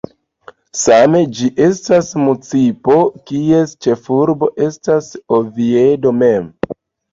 Same ĝi estas municipo kies ĉefurbo estas Oviedo mem.